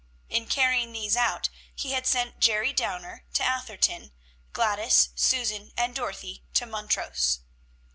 In carrying these out, he had sent Jerry Downer to Atherton; Gladys, Susan, and Dorothy to Montrose.